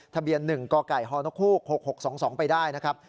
ทะเบียน๑กกฮนค๖๖๒๒ไปได้นะครับ